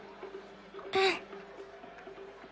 うん。